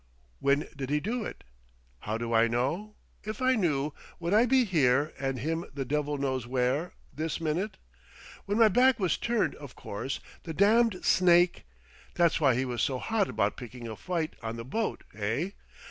When did he do it? How do I know? If I knew, would I be here and him the devil knows where, this minute? When my back was turned, of course, the damned snake! That's why he was so hot about picking a fight on the boat, hey?